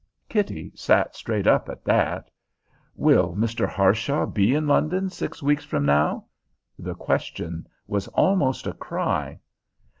Kitty sat straight up at that. "Will Mr. Harshaw be in London six weeks from now?" The question was almost a cry.